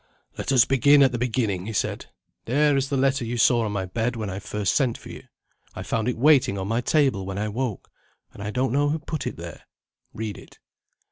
"Let us begin at the beginning," he said. "There is the letter you saw on my bed, when I first sent for you. I found it waiting on my table when I woke; and I don't know who put it there. Read it."